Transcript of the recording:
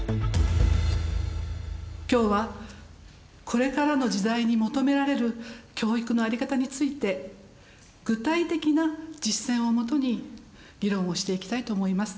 今日はこれからの時代に求められる教育の在り方について具体的な実践をもとに議論をしていきたいと思います。